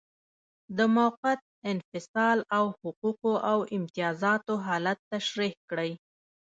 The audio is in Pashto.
د موقت انفصال او حقوقو او امتیازاتو حالت تشریح کړئ.